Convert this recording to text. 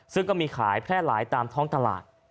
ซึ่งก็มีขายแพร่หลายตามท้องตลาด